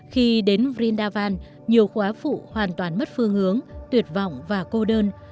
khi đến vrindavan nhiều quả phụ hoàn toàn mất phương hướng tuyệt vọng và cô đơn